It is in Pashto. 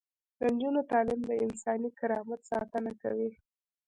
د نجونو تعلیم د انساني کرامت ساتنه کوي.